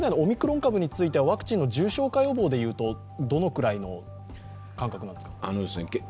オミクロン株についてはワクチンの重症化予防でいうとどのぐらいの感覚ですか？